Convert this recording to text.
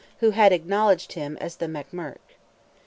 who had acknowledged him as "the Mac Murch."